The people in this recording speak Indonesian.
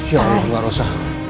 ya allah ma rosa